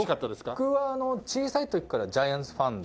僕は小さい時からジャイアンツファンで。